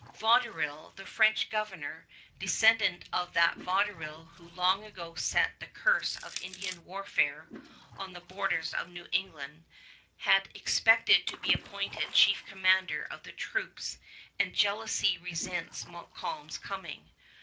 Vaudreuil, the French governor, descendant of that Vaudreuil who long ago set the curse of Indian warfare on the borders of New England, had expected to be appointed chief commander of the troops and jealously resents Montcalm's coming.